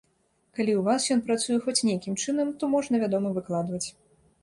Калі ў вас ён працуе хоць нейкім чынам, то можна, вядома, выкладваць.